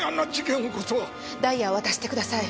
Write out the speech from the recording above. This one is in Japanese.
ダイヤを渡してください。